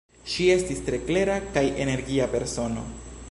Ŝi estis tre klera kaj energia persono.